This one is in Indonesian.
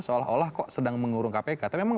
seolah olah kok sedang mengurung kpk tapi memang